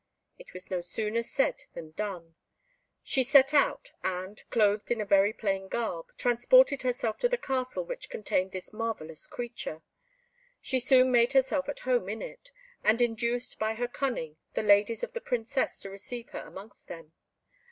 It was no sooner said than done. She set out, and, clothed in a very plain garb, transported herself to the castle which contained this marvellous creature. She soon made herself at home in it, and induced by her cunning the ladies of the Princess to receive her amongst them.